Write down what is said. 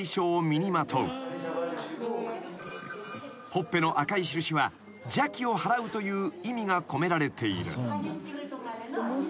［ほっぺの赤い印は邪気をはらうという意味が込められている］